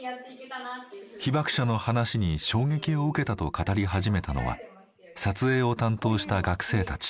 被爆者の話に衝撃を受けたと語り始めたのは撮影を担当した学生たち。